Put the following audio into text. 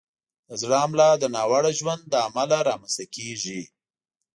د زړه حمله د ناوړه ژوند له امله رامنځته کېږي.